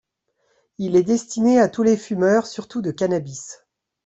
Il est destiné à tous les fumeurs, surtout de cannabis.